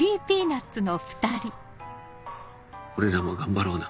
俺らも頑張ろうな。